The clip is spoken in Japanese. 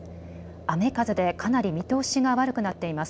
雨風でかなり見通しが悪くなっています。